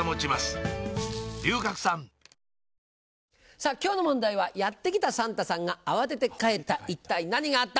さぁ今日の問題は「やって来たサンタさんが慌てて帰った一体何があった？」。